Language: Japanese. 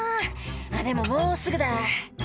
「あっでももうすぐだ」